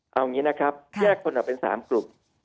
เอาอย่างนี้นะครับแยกคนออกเป็น๓กลุ่ม